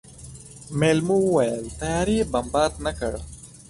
مېلمو وويل طيارې بمبارد نه کړ.